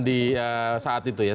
di saat itu ya